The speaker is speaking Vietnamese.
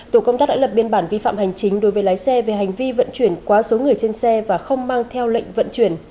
tổ công tác đã lập biên bản vi phạm hành chính đối với lái xe về hành vi vận chuyển quá số người trên xe và không mang theo lệnh vận chuyển